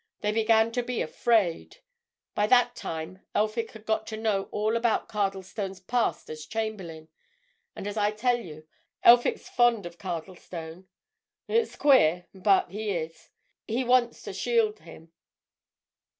They began to be afraid—by that time Elphick had got to know all about Cardlestone's past as Chamberlayne. And as I tell you, Elphick's fond of Cardlestone. It's queer, but he is. He—wants to shield him."